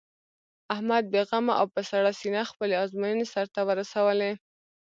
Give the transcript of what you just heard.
احمد بې غمه او په سړه سینه خپلې ازموینې سر ته ورسولې.